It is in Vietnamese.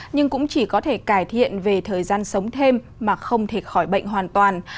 nhưng cũng chỉ có thể cải thiện về thời gian sống thêm mà không thể khỏi bệnh hoàn toàn